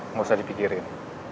nggak usah dipikirin